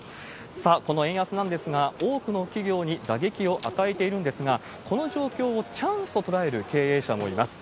さあ、この円安なんですが、多くの企業に打撃を与えているんですが、この状況をチャンスと捉える経営者もいます。